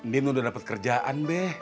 din udah dapet kerjaan be